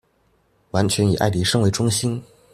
完全以愛迪生為中心